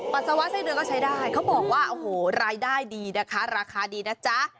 ปัสสาวะไส้เดือนก็ใช้ได้เขาบอกว่าโอ้โหรายได้ดีนะคะราคาดีนะจ๊ะ